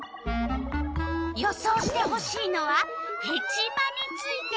予想してほしいのは「ヘチマ」について。